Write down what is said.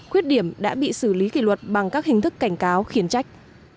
khuyết điểm đã bị xử lý kỷ luật bằng các hình thức cảnh cáo khiến trách